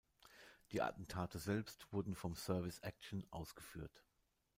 Die Attentate selbst wurden vom Service Action ausgeführt.